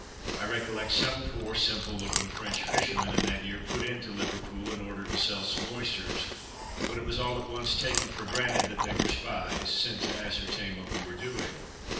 I recollect some poor simple looking French fishermen in that year put into Liverpool, in order to sell some oysters, when it was all once taken for granted that they were spies, sent to ascertain what we were doing.